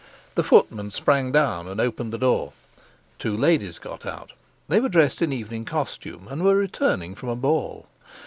The footman sprang down and opened the door. Two ladies got out; they were dressed in evening costume, and were returning from a ball.